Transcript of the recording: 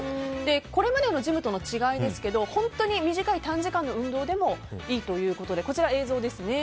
これまでのジムとの違いですが本当に短い短時間の運動でもいいということで。